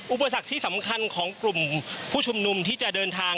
อุปสรรคที่สำคัญของกลุ่มผู้ชุมนุมที่จะเดินทาง